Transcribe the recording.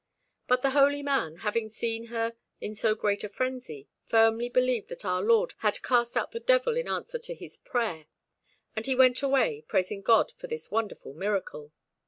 But the holy man, having seen her in so great a frenzy, firmly believed that Our Lord had cast out the devil in answer to his prayer, and he went away, praising God for this wonderful miracle.